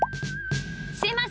すいません！